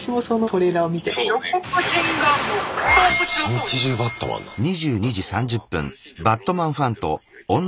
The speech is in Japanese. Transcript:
一日中バットマンなんだ。